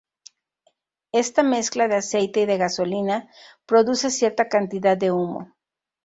Esta mezcla de aceite y de gasolina produce cierta cantidad de humo.